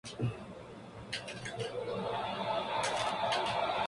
El pastor principal de esta iglesia es Rick Warren.